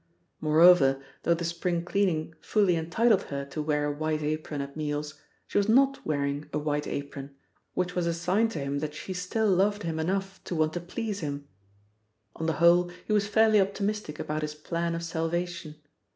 Moreover, though the spring cleaning fully entitled her to wear a white apron at meals, she was not wearing a white apron, which was a sign to him that she still loved him enough to want to please him. On the whole, he was fairly optimistic about his plan of salvation.